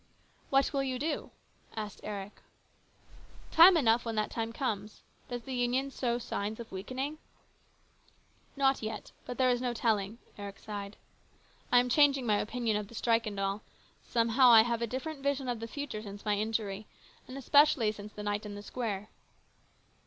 " What will you do ?" asked Eric. " Time enough when that time comes. Does the Union show signs of weakening ?"" Not yet. But there is no telling," Eric sighed. " I am changing my opinion of the strike and all. Somehow I have seen a different vision of the future since my injury, and especially since the night in the square."